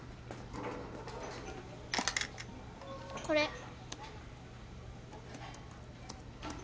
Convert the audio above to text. これ。